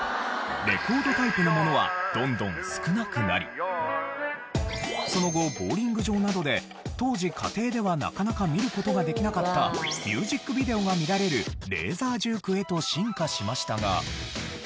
レコードタイプのものはどんどん少なくなりその後ボウリング場などで当時家庭ではなかなか見る事ができなかったミュージックビデオが見られるレーザージュークへと進化しましたが。